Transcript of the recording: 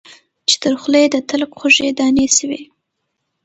چي تر خوله یې د تلک خوږې دانې سوې